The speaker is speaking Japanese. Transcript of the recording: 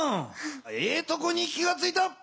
ええとこに気がついた。